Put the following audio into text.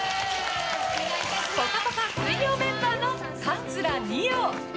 「ぽかぽか」水曜メンバーの桂二葉。